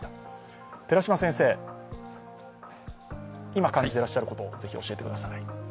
今感じていらっしゃることをぜひ、教えてください。